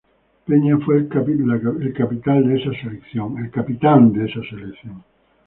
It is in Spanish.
Peña fue el capitán de esa selección.